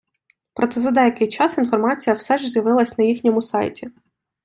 Проте за деякий час інформація все ж з’явилась на їхньому сайті.